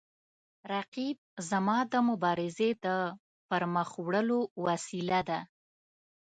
رقیب زما د مبارزې د پرمخ وړلو وسیله ده